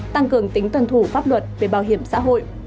tăng cường tính tuần thủ pháp luật về bảo hiểm xã hội